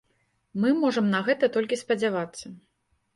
Мы можам на гэта толькі спадзявацца.